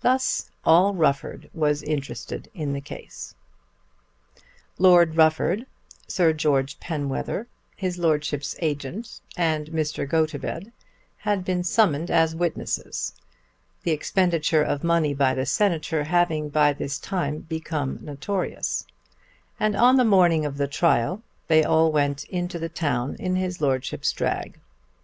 Thus all Rufford was interested in the case. Lord Rufford, Sir George Penwether, his Lordship's agent, and Mr. Gotobed, had been summoned as witnesses, the expenditure of money by the Senator having by this time become notorious; and on the morning of the trial they all went into the town in his Lordship's drag.